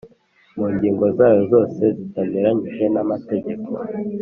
Mu ngingo zayo zose zitanyuranyije n amategeko